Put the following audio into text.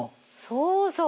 そうそう。